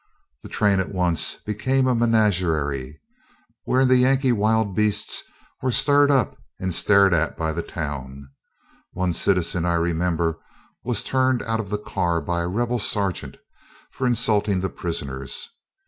The train at once became a menagerie, wherein the Yankee wild beasts were stirred up and stared at by the town. One citizen, I remember, was turned out of the car by a rebel sergeant for insulting the prisoners.